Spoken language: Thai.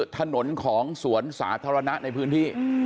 ถนนของสวนสาธารณะในพื้นที่